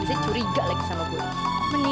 siapa yang ini